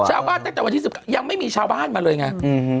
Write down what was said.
ตั้งแต่วันที่๑ยังไม่มีชาวบ้านมาเลยไง